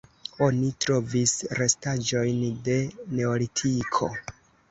Oni trovis restaĵojn de neolitiko.